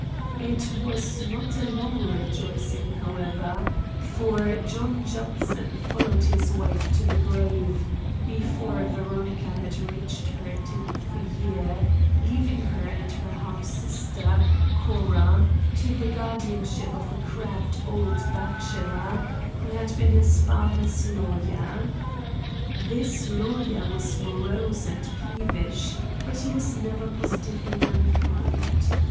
It was not a long rejoicing, however, for John Judson followed his wife to the grave before Veronica had reached her tenth year, leaving her and her half sister, Cora, to the guardianship of a crabbed old bachelor who had been his father's lawyer. This lawyer was morose and peevish, but he was never positively unkind.